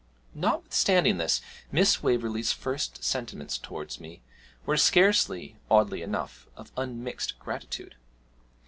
Notwithstanding this, Miss Waverley's first sentiments towards me were scarcely, oddly enough, of unmixed gratitude.